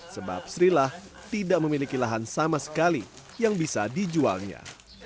sebab srilah tidak memiliki lahan sama sekali yang bisa dijualnya